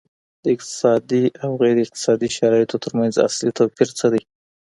د اقتصادي او غیر اقتصادي شرایطو ترمنځ اصلي توپیر څه دی؟